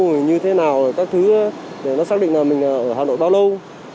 mình như thế nào các thứ để nó xác định là mình ở hà nội bao lâu